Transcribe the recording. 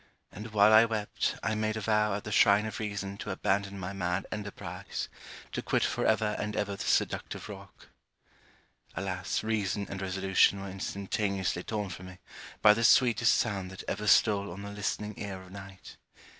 And while I wept, I made a vow at the shrine of reason to abandon my mad enterprise, to quit for ever and ever this seductive rock. Alas reason and resolution were instantaneously torn from me, by the sweetest sound that ever stole on the listening ear of night.